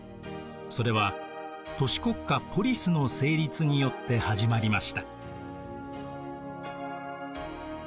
それは都市国家ポリスの成立によって始まりました。